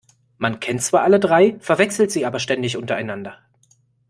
Man kennt zwar alle drei, verwechselt sie aber ständig untereinander.